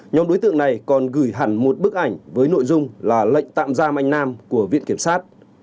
nhóm đối tượng này còn gửi hẳn một bức ảnh với nội dung là lệnh tạm giam anh nam của viện kiểm sát